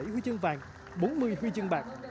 một mươi bảy huy chương vàng bốn mươi huy chương bạc